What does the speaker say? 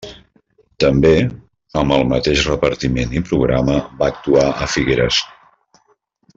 També, amb el mateix repartiment i programa, va actuar a Figueres.